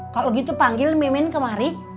kalau gitu panggil mimin kemari